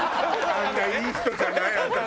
あんないい人じゃない私。